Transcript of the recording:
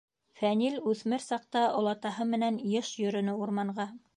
Фәнил үҫмер саҡта олатаһы менән йыш йөрөнө урманға.